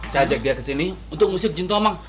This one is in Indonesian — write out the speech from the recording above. saya ajak dia kesini untuk nyusir jin tomang